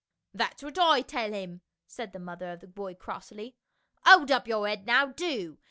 " That's what I tell him," said the mother of the boy crossly. " Hold up your head now, do